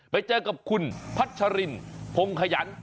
ไปเจอกับคุณพัชรินพงขยัน